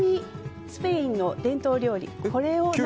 スペインの伝統料理。